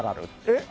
えっ？